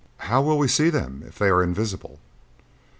"How will we see them if they are invisible?"